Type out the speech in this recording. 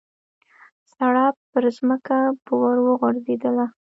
سړپ پرځمکه به ور وغورځېدله.